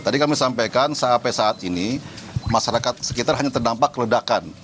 tadi kami sampaikan sampai saat ini masyarakat sekitar hanya terdampak ledakan